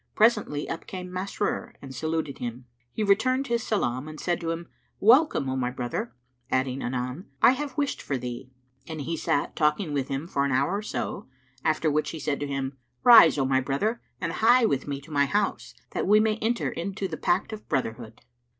Presently, up came Masrur and saluted him. He returned his salam and said to him, "Welcome, O my brother!" adding anon, "I have wished for thee;" and he sat talking with him for an hour or so, after which he said to him, "Rise, O my brother, and hie with me to my house, that we may enter into the pact of brotherhood."